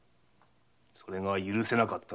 それが許せなかった。